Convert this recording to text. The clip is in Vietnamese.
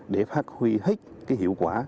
để phát huy hết hiệu quả